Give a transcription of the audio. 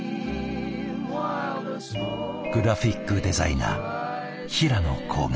グラフィックデザイナー平野甲賀。